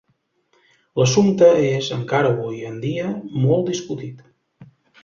L'assumpte és encara avui en dia molt discutit.